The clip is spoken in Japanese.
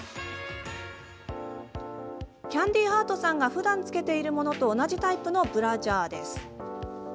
キャンディーハートさんがふだん着けているものと同じタイプのブラジャーです。